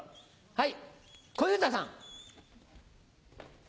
はい小遊三さん。